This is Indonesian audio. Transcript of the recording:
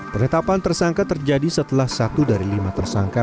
penetapan tersangka terjadi setelah satu dari lima tersangka